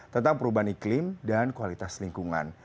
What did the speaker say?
tentang perubahan iklim dan kualitas lingkungan